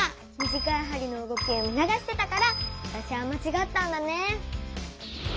短いはりの動きを見のがしてたからわたしはまちがったんだね。